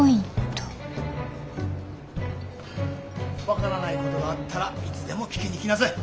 分からないことがあったらいつでも聞きに来なさい。